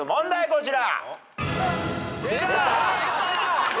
こちら。